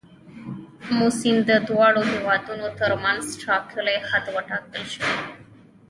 آمو سیند د دواړو هیوادونو تر منځ ټاکلی حد وټاکل شو.